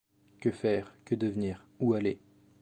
Que faire? que devenir ? où aller ?